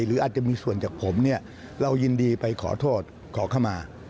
หรืออาจจะมีส่วนจากผมเนี่ยเรายินดีไปขอโทษขอเข้ามา